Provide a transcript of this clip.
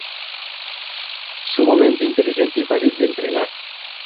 Sumamente inteligente y fácil de entrenar.